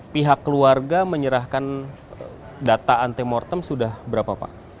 pihak keluarga menyerahkan data antemortem sudah berapa pak